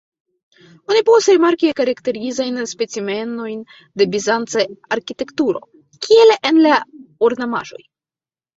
Oni povus rimarki karakterizajn specimenojn de bizanca arkitekturo, kiel en la ornamaĵoj.